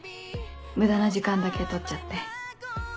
無駄な時間だけとっちゃって。